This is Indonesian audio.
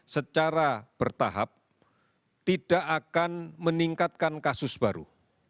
secara bertahap tidak akan meningkatkan kasus baru